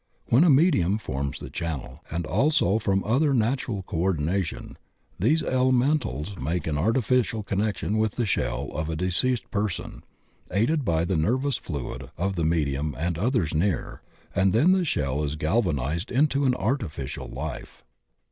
When a medium forms the channel, and also from other natural coordination, these elementals make an artificial connection with die shell of a de ceased person, aided by the nervous fluid of the me dium and others near, and then the shell is galvanized into an artificial life.